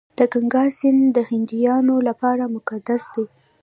د ګنګا سیند د هندیانو لپاره مقدس دی.